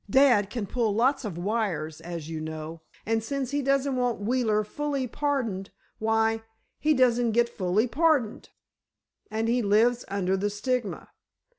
Dad can pull lots of wires, as you know, and since he doesn't want Wheeler fully pardoned, why, he doesn't get fully pardoned." "And he lives under the stigma."